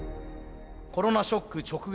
コロナショック直撃。